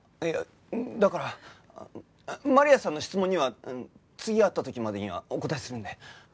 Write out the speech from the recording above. いやだからマリアさんの質問には次会った時までにはお答えするんで。